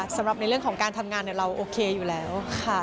สำหรับในเรื่องของการทำงานเราโอเคอยู่แล้วค่ะ